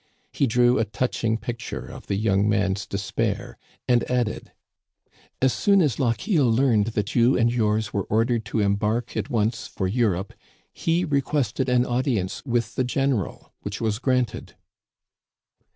He drew a touching picture of the young man's despair, and added : "As soon as Lochiel learned that you and yours were ordered to embark at once for Europe, he re quested an audience with the general, which was granted.